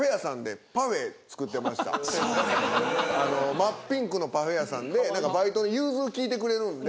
真っピンクのパフェ屋さんで何かバイト融通利いてくれるんで。